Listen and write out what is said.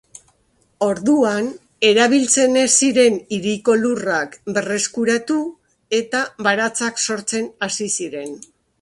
Orduan, erabiltzen ez ziren hiriko lurrak berreskuratu eta baratzak sortzen hasi ziren.